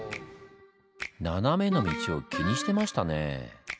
ナナメの道を気にしてましたねぇ。